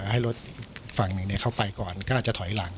ให้รถอีกฝั่งหนึ่งเข้าไปก่อนก็อาจจะถอยหลัง